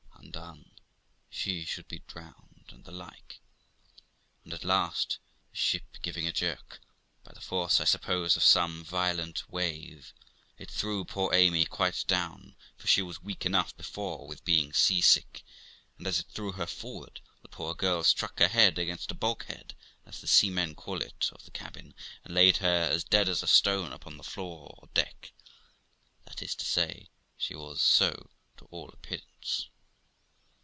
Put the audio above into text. undone ! she should be drowned ! and the like. And at last, the ship giving a jerk, by the force, I suppose, of some violent wave, it threw poor Amy quite down, for she was weak enough before with being sea sick, and as it threw her forward, the poor girl struck her head against the bulk head, as the seamen call it of the cabin, and laid her as dead as a stone upon the floor or deck; that is to say, she was so to all appearance.